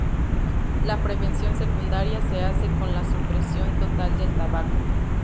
La prevención secundaria se hace con la supresión total del tabaco.